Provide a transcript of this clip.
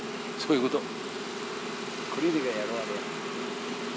そういうこと。